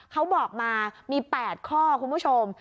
เขาบอกมามี๘ข้อคุณผู้ชม